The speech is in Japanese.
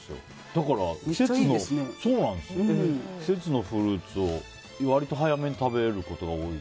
だから季節のフルーツを割と早めに食べることが多い。